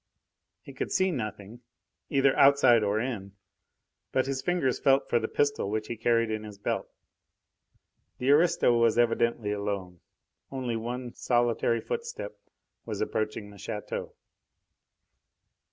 He could see nothing, either outside or in; but his fingers felt for the pistol which he carried in his belt. The aristo was evidently alone; only one solitary footstep was approaching the chateau.